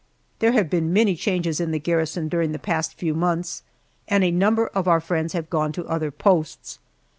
There have been many changes in the garrison during the past few months, and a number of our friends have gone to other posts.